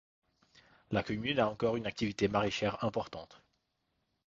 La commune a encore une activité maraîchère importante.